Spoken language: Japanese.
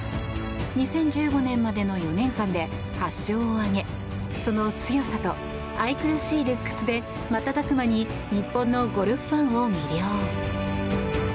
２０１５年までの４年間で８勝を挙げその強さと愛くるしいルックスで瞬く間に日本のゴルフファンを魅了。